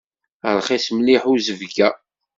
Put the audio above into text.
Rxis mliḥ uzebg-a.